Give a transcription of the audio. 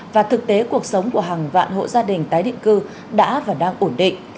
và thực tế cuộc sống của hàng vạn hộ gia đình tái định cư đã và đang ổn định